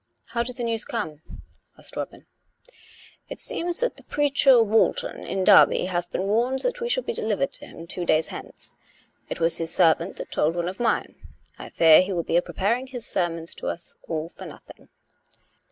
" How did the news come? " asked Robin. " It seems that the preacher Walton, in Derby, hath been warned that we shall be delivered to him two days hence. It was his servant that told one of mine. I fear he will be a preparing his sermons to us, all for nothing."